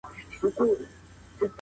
د څېړني پر مهال له نورو پوهنو ګټه واخلئ.